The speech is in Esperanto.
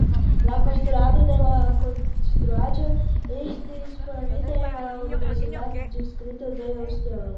La konstruado de la konstruaĵo estis planita en la universitata distrikto de Hostihora.